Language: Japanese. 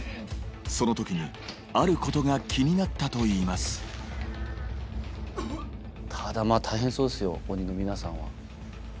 その時にあることが気になったと言いますただ大変そうですよ鬼の皆さんは。